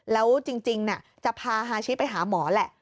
แล้วจริงจะพาฮาชิไปหาหมอแหละ